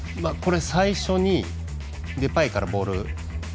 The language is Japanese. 最初にデパイからボール。